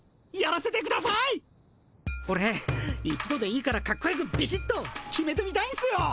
オレ一度でいいからカッコよくビシッと決めてみたいんすよ！